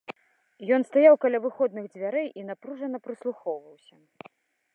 Ён стаяў каля выходных дзвярэй і напружана прыслухоўваўся.